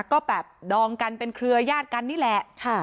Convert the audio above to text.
ก็แบบดองกันเป็นเครือญาติกันนี่แหละ